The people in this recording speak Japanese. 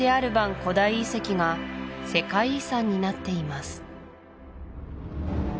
古代遺跡が世界遺産になっています